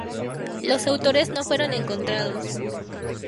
Los autores no fueron encontrados.